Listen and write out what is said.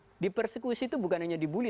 artinya di persekusi itu bukan hanya di bully